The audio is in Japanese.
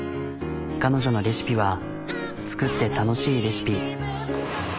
彼女のレシピは作って楽しいレシピ。